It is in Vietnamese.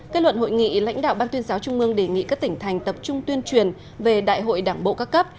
kết luận hội nghị lãnh đạo ban tuyên giáo trung mương đề nghị các tỉnh thành tập trung tuyên truyền về đại hội đảng bộ các cấp